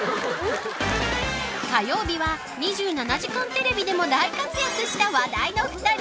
火曜日は「２７時間テレビ」でも大活躍した話題の２人。